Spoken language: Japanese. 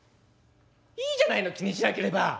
いいじゃないの気にしなければ」。